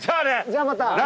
じゃあまた。